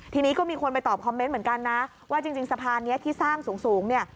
ทีนี้ก็มีคนไปตอบคอมเมนต์เหมือนกันนะว่าจริงสะพานนี้ที่สร้างสูงเนี่ย